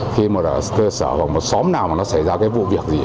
khi mà cơ sở hoặc một xóm nào mà nó xảy ra cái vụ việc gì